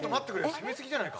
攻めすぎじゃないか？